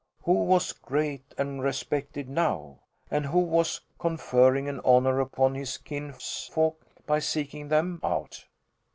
Who was great and respected now? and who was conferring an honour upon his kinsfolk by seeking them out?